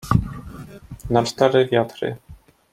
"Na cztery wiatry!"